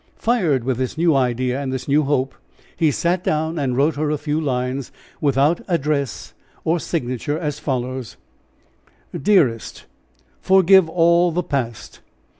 Fired with this new idea and this new hope, he sat down and wrote her a few lines without address or signature as follows: "Dearest, forgive all the past.